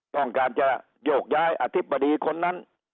ต้องการจะโยกย้ายอธิบดีคนนั้น